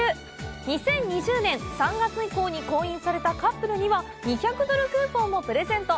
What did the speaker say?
２０２０年３月以降に婚姻されたカップルには２００ドルクーポンもプレゼント。